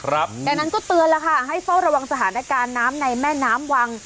ดังนั้นก็เตือนแล้วค่ะให้เฝ้าระวังสถานการณ์น้ำในแม่น้ำวัง